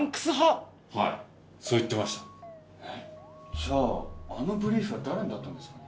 じゃああのブリーフは誰のだったんですかね？